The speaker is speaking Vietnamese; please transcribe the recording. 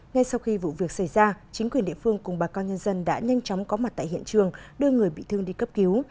ngay sau khi vụ việc xảy ra chính quyền địa phương cùng bà con nhân dân đã nhanh chóng có mặt tại hiện trường đưa người bị thương đi cấp cứu